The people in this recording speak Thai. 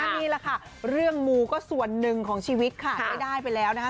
นี่แหละค่ะเรื่องมูก็ส่วนหนึ่งของชีวิตค่ะไม่ได้ไปแล้วนะคะ